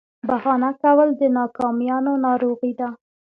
بهانه کول د ناکامیانو ناروغي ده.